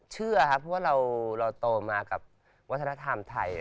เชื่อครับเพราะว่าเราโตมากับวัฒนธรรมไทย